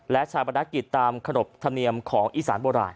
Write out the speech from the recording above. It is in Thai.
และชาวบาลนักกลิตตามขนบธรรมเนียมของอิสานโบราณ